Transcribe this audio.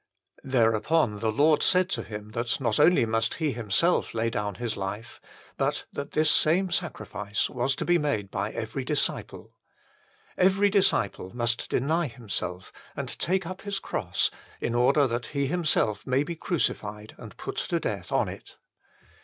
1 Thereupon the Lord said to him that not only must He Himself lay down His life, but that this same sacrifice was to be made by every disciple. Every disciple must deny himself and take up his cross in order that he himself may be crucified and put to death on it.